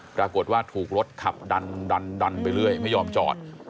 ปรากฏว่าถูกรถขับดันดันไปเรื่อยไม่ยอมจอด